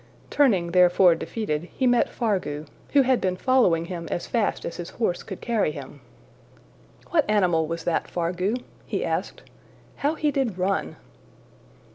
Turning therefore defeated, he met Fargu, who had been following him as fast as his horse could carry him. ``What animal was that, Fargu?'' he asked. ``How he did run!''